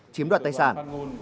chiếm đoạt tài sản